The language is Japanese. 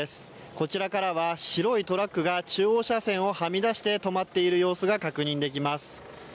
こちらからは白いトラックが中央車線をはみ出して止まっている様子が確認できます。